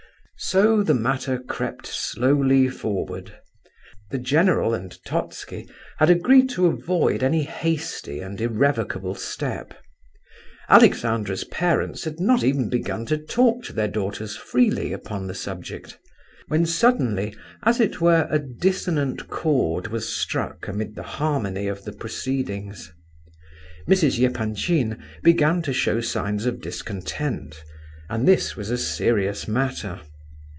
So the matter crept slowly forward. The general and Totski had agreed to avoid any hasty and irrevocable step. Alexandra's parents had not even begun to talk to their daughters freely upon the subject, when suddenly, as it were, a dissonant chord was struck amid the harmony of the proceedings. Mrs. Epanchin began to show signs of discontent, and that was a serious matter.